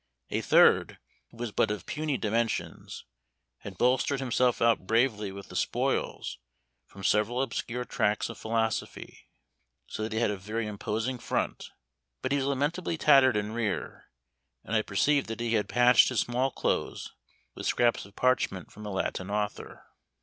A third, who was but of puny dimensions, had bolstered himself out bravely with the spoils from several obscure tracts of philosophy, so that he had a very imposing front, but he was lamentably tattered in rear, and I perceived that he had patched his small clothes with scraps of parchment from a Latin author.